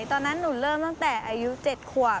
ตอนนั้นหนูเริ่มตั้งแต่อายุ๗ขวบ